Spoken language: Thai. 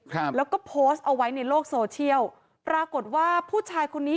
ครับแล้วก็โพสต์เอาไว้ในโลกโซเชียลปรากฏว่าผู้ชายคนนี้